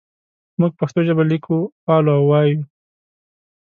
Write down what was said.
موږ پښتو ژبه لیکو پالو او وایو.